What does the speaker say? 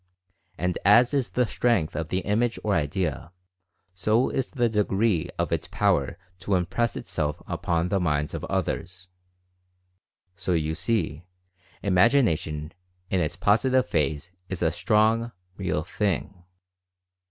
And as is the strength of the im age or idea, so is the degree of its power to impress itself upon the minds of others. So you see, Imagina tion, in its Positive phase is a strong, real thing.